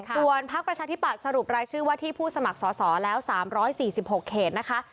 ส่วนพักประชาธิบัตย์สรุปรายชื่อว่าที่ผู้สมัครสอสอแล้ว๓๔๖เขตนะคะ